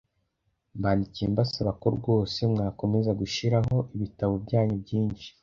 mbandikiye mbasaba ko rwose mwakomeza gushyiraho ibitabo byanyu byinshi